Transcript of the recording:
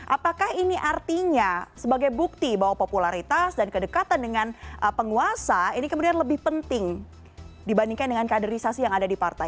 apakah ini artinya sebagai bukti bahwa popularitas dan kedekatan dengan penguasa ini kemudian lebih penting dibandingkan dengan kaderisasi yang ada di partai